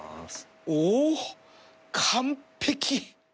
おお！完璧！